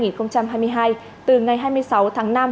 từ ngày hai mươi sáu tháng năm